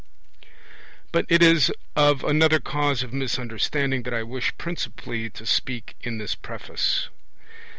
But it is of another cause of misunderstanding that I wish principally to speak in this preface.